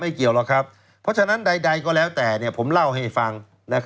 เกี่ยวหรอกครับเพราะฉะนั้นใดก็แล้วแต่ผมเล่าให้ฟัง